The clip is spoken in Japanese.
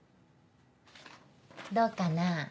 どうかな？